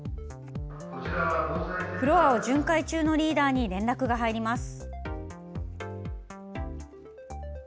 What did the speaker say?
フロアを巡回中のリーダーに連絡が入ります。